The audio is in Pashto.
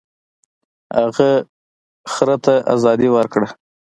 هغه خر ته ازادي ورکړه.